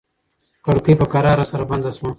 کړکۍ په کراره سره بنده شوه.